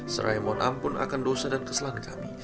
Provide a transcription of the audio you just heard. serai mohon ampun akan dosa dan kesalahan kami